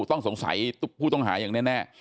ต้องสงสัยผู้ต้องหาอย่างแน่